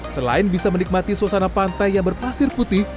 selain bisa menikmati suasana pantai yang berpasir putih